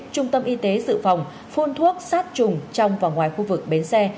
trung tâm y tế dự phòng phun thuốc sát trùng trong và ngoài khu vực bến xe